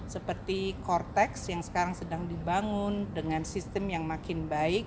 seperti cortex yang sekarang sedang dibangun dengan sistem yang makin baik